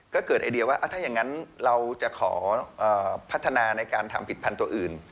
ก็เกิดไอเดียว่าถ้าอย่างนั้นเราจะขอพัฒนาในการทำผิดพันธุ์อื่น